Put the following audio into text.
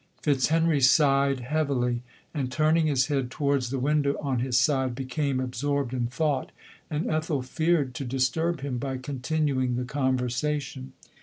"" Fitzhenry sighed heavily, and turning his head towards the window on his side, became absorbed in thought, and Ethel feared to dis turb him by continuing the conversation.